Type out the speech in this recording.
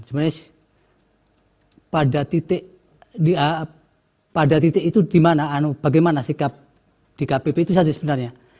sebenarnya pada titik itu bagaimana sikap di kpp itu saja sebenarnya